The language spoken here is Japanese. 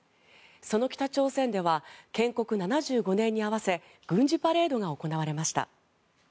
その北朝鮮では建国７５年に合わせ軍事パレードが行われました。